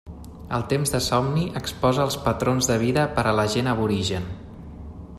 El temps de somni exposa els patrons de vida per a la gent aborigen.